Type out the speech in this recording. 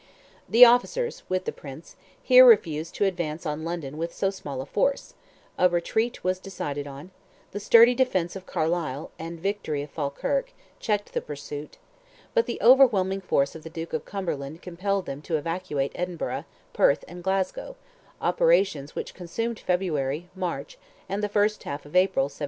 The officers, with the prince, here refused to advance on London with so small a force; a retreat was decided on; the sturdy defence of Carlisle, and victory of Falkirk, checked the pursuit; but the overwhelming force of the Duke of Cumberland compelled them to evacuate Edinburgh, Perth, and Glasgow—operations which consumed February, March, and the first half of April, 1746.